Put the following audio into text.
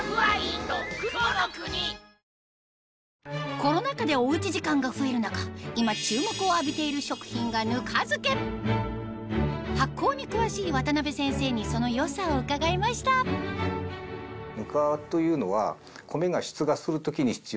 コロナ禍でおうち時間が増える中今注目を浴びている食品が発酵に詳しい渡邉先生にその良さを伺いましたそれと同時に。